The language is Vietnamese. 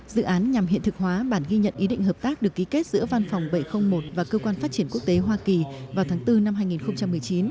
dự án nhằm hiện thực hóa bản ghi nhận ý định hợp tác được ký kết giữa văn phòng bảy trăm linh một và cơ quan phát triển quốc tế hoa kỳ vào tháng bốn năm hai nghìn một mươi chín